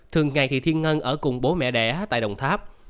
thường ngày thì thiên ngân ở cùng bố mẹ đẻ tại đồng tháp